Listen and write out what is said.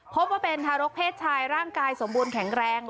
พบว่าเป็นทารกเพศชายร่างกายสมบูรณแข็งแรง